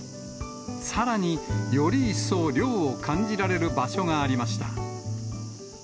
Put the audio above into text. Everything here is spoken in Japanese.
さらに、より一層涼を感じられる場所がありました。